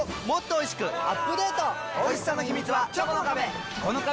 おいしさの秘密はチョコの壁！